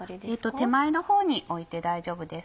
手前のほうに置いて大丈夫です。